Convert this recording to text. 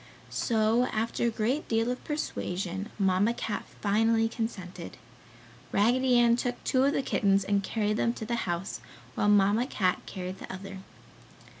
So after a great deal of persuasion, Mamma Cat finally consented. Raggedy Ann took two of the kittens and carried them to the house while Mamma Cat carried the other.